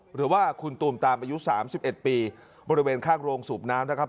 หรือว่าคุณตูมตามอายุ๓๑ปีบริเวณข้างโรงสูบน้ำนะครับ